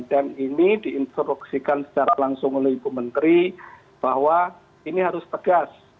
dan ini diinstruksikan secara langsung oleh ibu menteri bahwa ini harus tegas